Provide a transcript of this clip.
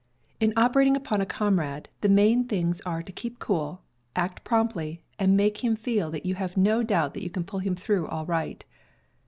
In operating upon a comrade, the main things are to keep cool, act promptly, and make him feel that you have no doubt that you can pull him through all right.